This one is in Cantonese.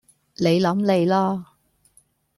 你諗你啦